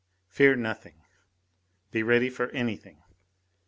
Fear nothing! Be ready for anything!